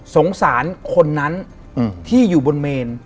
สงสารคนนั้นที่อยู่บนเมน